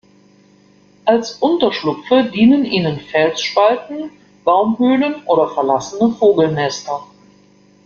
Als Unterschlupfe dienen ihnen Felsspalten, Baumhöhlen oder verlassene Vogelnester.